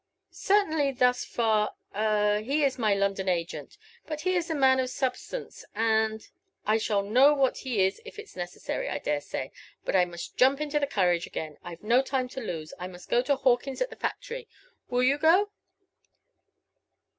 "Certainly, thus far a he is my London agent. But he is a man of substance, and " "I shall know what he is if it's necessary, I dare say. But I must jump into the carriage again. I've no time to lose; I must go to Hawkins at the factory. Will you go?"